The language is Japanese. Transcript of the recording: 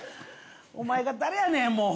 お前が誰やねんもう。